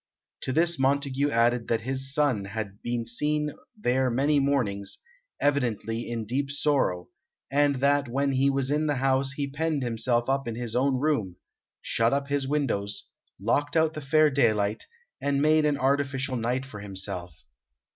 To this Montague added that his son had been seen there many mornings, evidently in deep sorrow, and that when he was in the house he penned himself up in his own room, shut up his windows, locked out the fair daylight, and made an artificial night for himself.